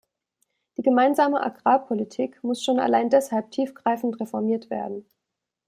Die Gemeinsame Agrarpolitik muss schon allein deshalb tiefgreifend reformiert werden.